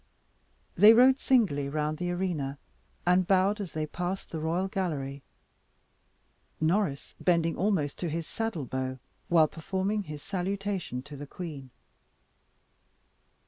They rode singly round the arena, and bowed as they passed the royal gallery, Norris bending almost to his saddle bow while performing his salutation to the queen.